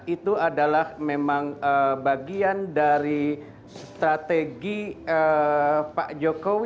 itu adalah memang bagian dari strategi pak jokowi